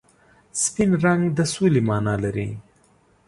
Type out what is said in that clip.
سپین رنګ د سولې مانا لري.